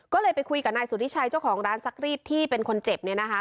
ก็เลยไปคุยกับนายสุธิชัยเจ้าของร้านซักรีดที่เป็นคนเจ็บเนี่ยนะคะ